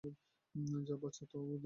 যা বাচা আছে, তাও দিয়ে দিলাম।